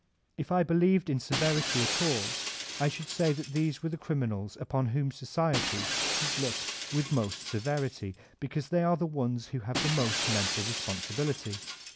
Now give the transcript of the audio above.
If I believed in severity at all I should say that these were the criminals upon whom society should look with most severity, because they are the ones who have most mental responsibility.